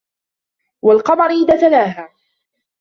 وَالقَمَرِ إِذا تَلاها